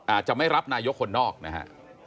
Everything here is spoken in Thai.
อาจจะไม่รับนายกคนนอกนะฮะ